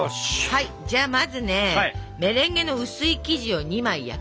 はいじゃあまずねメレンゲの薄い生地を２枚焼きますよ。